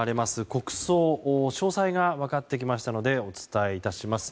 国葬詳細が分かってきましたのでお伝えします。